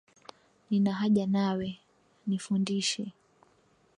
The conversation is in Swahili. Nina haja nawe, nifundishe.